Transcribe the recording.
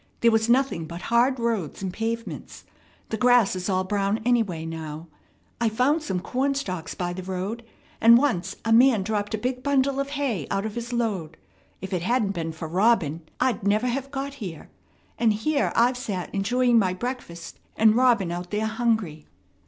There was nothing but hard roads and pavements. The grass is all brown, anyway, now. I found some cornstalks by the road, and once a man dropped a big bundle of hay out of his load. If it hadn't been for Robin, I'd never have got here; and here I've sat enjoying my breakfast, and Robin out there hungry!"